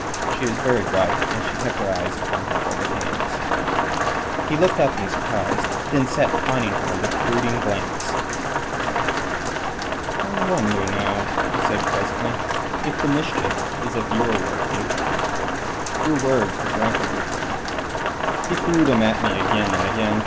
She was very white, and she kept her eyes upon her folded hands. He looked up in surprise, and then sat conning her with brooding glance. "I wonder, now," he said presently, "if the mischief is of your working. Your words have rankled with him. He threw them at me again and again.